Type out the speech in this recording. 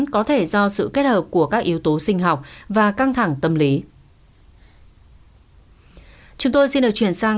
có thể do sự kết hợp của các yếu tố sinh học và căng thẳng tâm lý